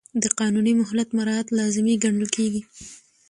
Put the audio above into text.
د قانوني مهلت مراعات لازمي ګڼل کېږي.